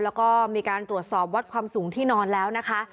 แล้วก็มีการตรวจสอบวัดความสูงที่นอนแล้วนะคะ